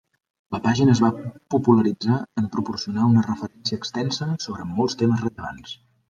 La pàgina es va popularitzar en proporcionar una referència extensa sobre molts temes rellevants.